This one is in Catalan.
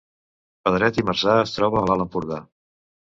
Pedret i Marzà es troba a l’Alt Empordà